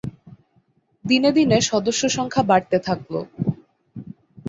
দিনে দিনে সদস্যসংখ্যা বাড়তে থাকল।